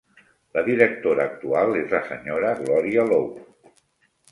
La directora actual és la Sra. Gloria Lowe.